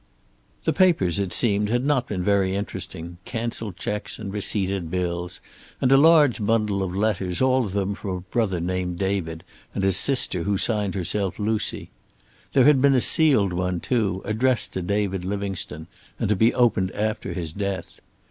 The papers, it seemed, had not been very interesting; canceled checks and receipted bills, and a large bundle of letters, all of them from a brother named David and a sister who signed herself Lucy. There had been a sealed one, too, addressed to David Livingstone, and to be opened after his death.